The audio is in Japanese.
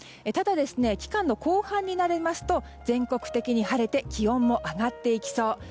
ただ、期間の後半になりますと全国的に晴れて気温も上がっていきそう。